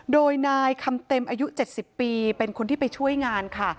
โดยนายคำเต็มอายุ๗๐ปีเป็นคนที่ไปช่วยงานค่ะ